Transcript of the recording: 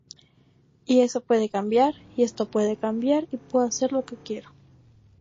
Y eso puede cambiar, y esto puede cambiar, y puedo hacer lo que quiero.